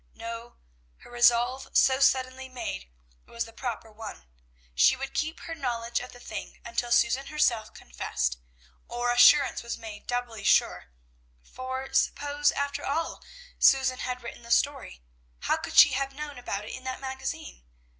No; her resolve so suddenly made was the proper one: she would keep her knowledge of the thing until Susan herself confessed, or assurance was made doubly sure; for suppose, after all, Susan had written the story, how could she have known about it in that magazine?